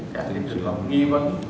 các liên tục lọc nghi vấn